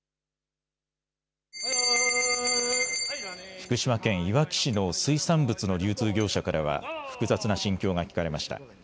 福島県いわき市の水産物の流通業者からは複雑な心境が聞かれました。